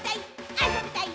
あそびたい！